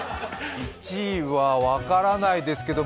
１位は分からないですけど。